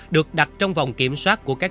được đặt trong vòng kiểm soát của các